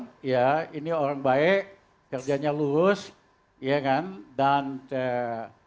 ibu siti ya ini orang baik kerjanya lurus ya kan dan eee